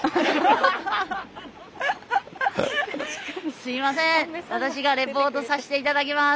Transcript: すいません私がレポートさして頂きます。